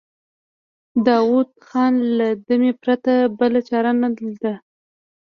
داوود خان له دمې پرته بله چاره نه ليده.